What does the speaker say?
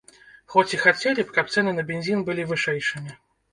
Хоць і хацелі б, каб цэны на бензін былі вышэйшымі.